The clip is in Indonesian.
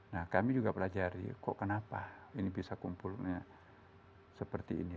nah kami juga pelajari kok kenapa ini bisa kumpulnya seperti ini